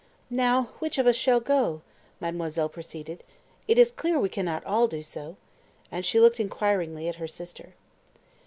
"Now, which of us shall go?" mademoiselle proceeded. "It is clear we cannot all do so," and she looked inquiringly at her sister.